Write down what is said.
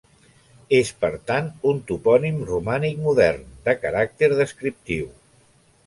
És, per tant, un topònim romànic modern, de caràcter descriptiu.